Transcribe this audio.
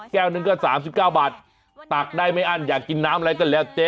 หนึ่งก็๓๙บาทตักได้ไม่อั้นอยากกินน้ำอะไรก็แล้วเจ๊